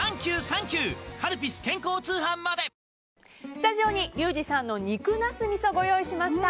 スタジオにリュウジさんの肉ナス味噌をご用意しました。